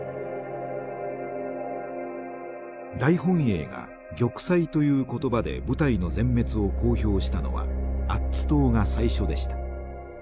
大本営が玉砕という言葉で部隊の全滅を公表したのはアッツ島が最初でした。